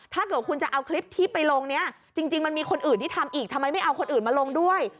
ถ้าเกิดคุณจะเอาคลิปที่ไปลงเนี่ยจริงมันมีคนอื่นที่ทำอีกทำไมไม่เอาคนอื่นมาลงด้วย